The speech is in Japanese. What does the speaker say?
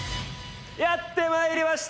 やって参りました！